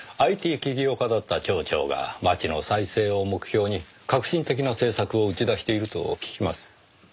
ＩＴ起業家だった町長が町の再生を目標に革新的な政策を打ち出していると聞きます。